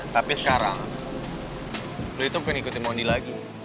tapi sekarang lo itu pengen ngikutin mondi lagi